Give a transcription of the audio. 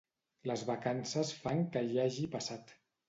Les vacances fan que hi hagi passat.